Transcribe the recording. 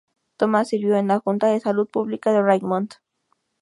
Thomas sirvió en la Junta de Salud Pública de Richmond.